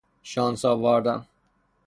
شانس آوردن